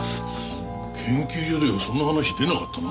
研究所ではそんな話出なかったな。